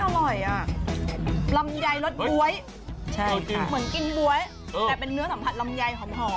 อร่อยอ่ะลำไยรสบ๊วยเหมือนกินบ๊วยแต่เป็นเนื้อสัมผัสลำไยหอม